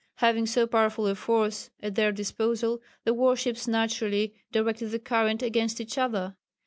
Having so powerful a force at their disposal, the warships naturally directed the current against each other.